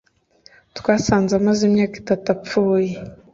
Twasanze amaze imyaka itatu apfuye